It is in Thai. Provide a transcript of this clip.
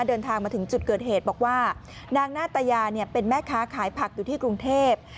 เดินทางมาถึงจุดเกิดเหตุบอกว่านางนาตยาเป็นแม่ค้าขายผักอยู่ที่กรุงเทพ